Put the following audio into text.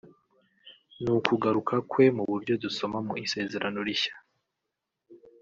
n’ukugaruka kwe mu buryo dusoma mu Isezerano Rishya